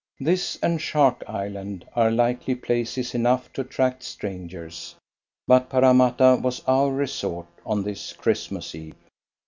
This, and Shark Island, are likely places enough to attract strangers, but Parramatta was our resort on this Christmas Eve.